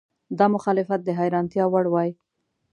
دا مخالفت د حیرانتیا وړ وای.